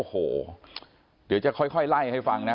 โอ้โหเดี๋ยวจะค่อยไล่ให้ฟังนะ